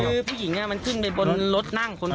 คือผู้หญิงมันขึ้นไปบนรถนั่งคนนั้น